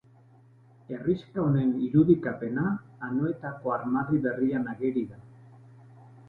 Herrixka honen irudikapena Anoetako armarri berrian ageri da.